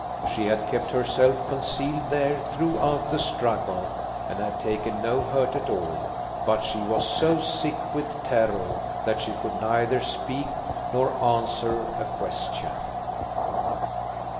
She had kept herself concealed there throughout the struggle and had taken no hurt at all, but she was so sick with terror that she could neither speak nor answer a question.